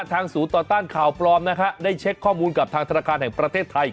ศูนย์ต่อต้านข่าวปลอมนะฮะได้เช็คข้อมูลกับทางธนาคารแห่งประเทศไทย